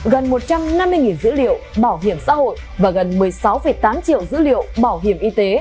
gần một trăm năm mươi dữ liệu bảo hiểm xã hội và gần một mươi sáu tám triệu dữ liệu bảo hiểm y tế